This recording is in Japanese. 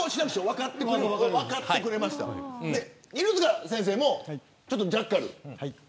犬塚先生もジャッカルを。